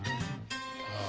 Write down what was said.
ああ。